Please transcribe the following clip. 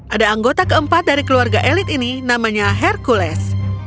ada anggota keempat dari keluarga elit ini namanya hercules